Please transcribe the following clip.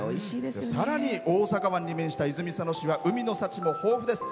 さらに大阪湾に面した泉佐野市は海の幸も豊富です。